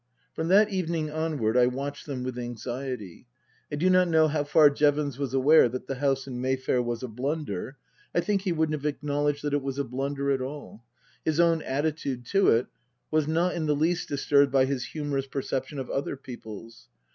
From that evening onward I watched them with anxiety. I do not know how far Jevons was aware that the house in Mayfair was a blunder ; I think he wouldn't have acknowledged that it was a blunder at all. His own attitude to it was not in the least disturbed by his humorous perception of other people's.